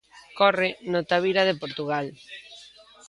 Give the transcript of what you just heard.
Corre no Tavira de Portugal.